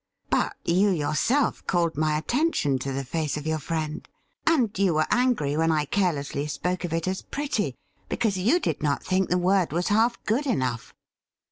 ' But you yourself called my attention to the face of your friend, and you were angry when I carelessly spoke of CLELIA VINE 57 it as pretty, because you did not think the word was half good enough.'